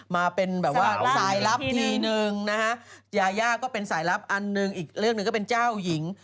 มาเป็นแบบว่าสายลับทีนึงนะฮะยายาก็เป็นสายลับอันหนึ่งอีกเรื่องหนึ่งก็เป็นเจ้าหญิง